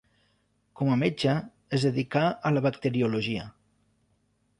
Com a metge, es dedicà a la bacteriologia.